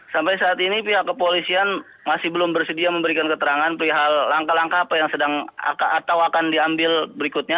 sampai saat ini pihak kepolisian masih belum bersedia memberikan keterangan perihal langkah langkah apa yang sedang atau akan diambil berikutnya